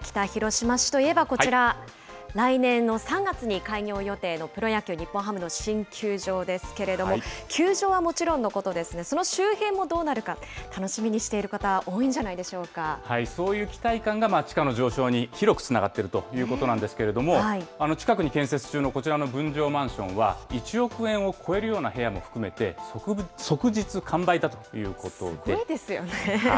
北広島市といえばこちら、来年の３月に開業予定のプロ野球・日本ハムの新球場ですけれども、球場はもちろんのことですね、その周辺もどうなるか、楽しみにしている方、多そういう期待感が地価の上昇に広くつながっているということなんですけれども、近くに建設中のこちらの分譲マンションは、１億円を超えるような部屋も含めて、すごいですよね。